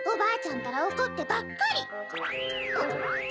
ったらおこってばっかり。